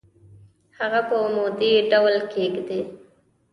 هغه په عمودي ډول کیږدئ.